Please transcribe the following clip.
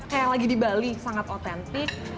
kayak lagi di bali sangat otentik